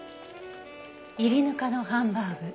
炒りぬかのハンバーグ。